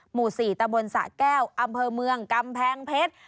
หมู่๔ตะบนสะแก้วอำเภอเมืองกำแพงเพชร